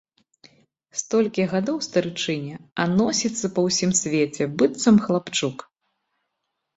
Столькі гадоў старычыне, а носіцца па ўсім свеце, быццам хлапчук!